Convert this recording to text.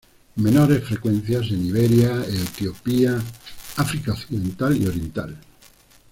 Menores frecuencias en Iberia, Etiopía, África Occidental y Oriental.